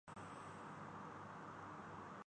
بات کرتا ہے۔